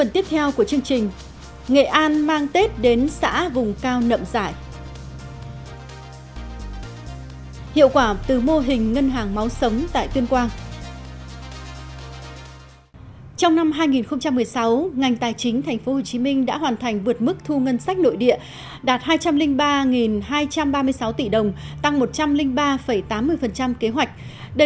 trong phần tiếp theo của chương trình nghệ an mang tết đến xã vùng cao nậm dại